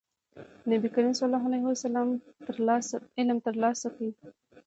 نبي کريم ص وفرمايل علم ترلاسه کړئ.